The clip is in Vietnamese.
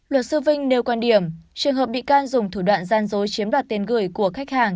luật sư vinh nêu quan điểm trường hợp bị can dùng thủ đoạn gian dối chiếm đoạt tiền gửi của khách hàng